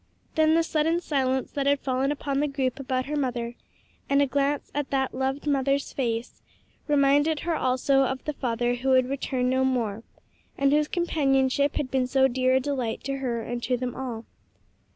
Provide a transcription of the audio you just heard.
Then the sudden silence that had fallen upon the group about her mother, and a glance at that loved mother's face, reminded her also of the father who would return no more, and whose companionship had been so dear a delight to her and to them all.